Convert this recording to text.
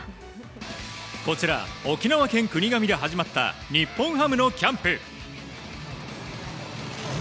こちら、沖縄県国頭で始まった日本ハムのキャンプ。